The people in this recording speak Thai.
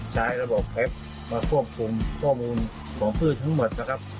ใช้ระบบแอปพลิเคชันมาควบคุมข้อมูลของพืชทั้งหมดนะครับ